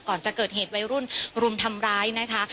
ก่อนจะเกิดเหตุวัยรุ่นรุมทำร้ายนะคะ